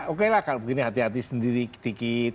oke lah kalau begini hati hati sendiri dikit